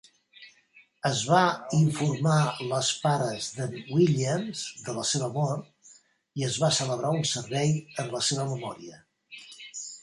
Es va informar las pares d'en Williams de la seva mort i es va celebrar un servei en la seva memòria.